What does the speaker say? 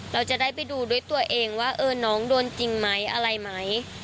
เราจะได้ไปดูด้วยตัวเองว่าน้องโดนจริงไหมอะไรไหม